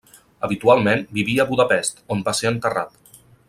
Habitualment vivia a Budapest, on va ser enterrat.